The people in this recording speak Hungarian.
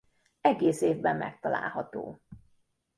Egész évben megtalálható.